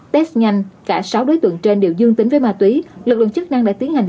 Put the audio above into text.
test nhanh cả sáu đối tượng trên đều dương tính với ma túy lực lượng chức năng đã tiến hành